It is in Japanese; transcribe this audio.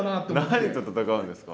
何と戦うんですか？